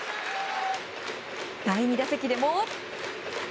第２打席でも。